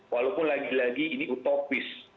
walaupun lagi lagi ini utopis